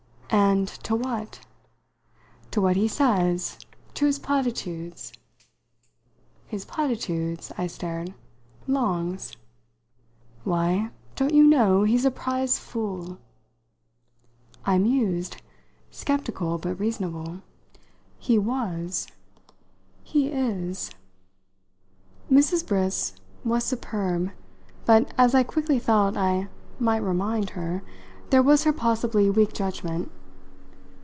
"And to what?" "To what he says. To his platitudes." "His platitudes?" I stared. "Long's?" "Why, don't you know he's a prize fool?" I mused, sceptical but reasonable. "He was." "He is!" Mrs. Briss was superb, but, as I quickly felt I might remind her, there was her possibly weak judgment.